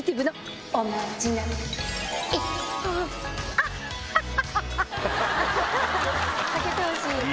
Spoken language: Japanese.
アッハッハ！